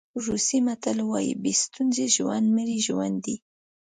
روسي متل وایي بې ستونزې ژوند مړی ژوند دی.